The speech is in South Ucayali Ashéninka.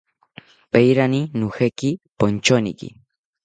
Paerani nojeki ponchoniki